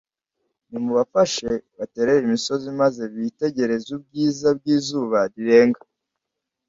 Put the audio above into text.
Nimubafashe baterere imisozi maze bitegereze ubwiza bw’izuba rirenga,